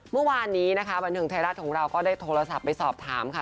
เมื่อวานนี้นะคะบันเทิงไทยรัฐของเราก็ได้โทรศัพท์ไปสอบถามค่ะ